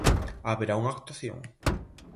Haberá unha actuación.